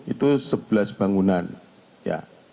itu sebelas bangunan ya